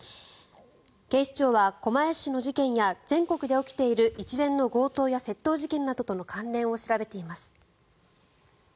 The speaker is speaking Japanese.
警視庁は狛江市の事件や全国で起きている一連の強盗や窃盗事件などとの関連を調べています。